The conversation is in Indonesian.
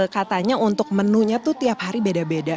katanya untuk menunya tuh tiap hari beda beda